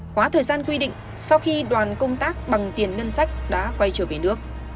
quá thời gian quy định sau khi đoàn công tác bằng tiền ngân sách đã quay trở về nước